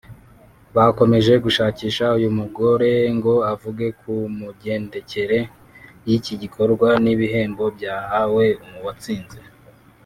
bakomeje gushakisha uyu mugore ngo avuge ku mugendekere y’iki gikorwa n’ibihembo byahawe uwatsinze